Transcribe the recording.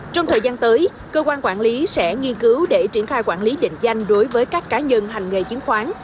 trong thời gian tới cơ quan quản lý sẽ nghiên cứu để triển khai quản lý định danh đối với các cá nhân hành nghề chứng khoán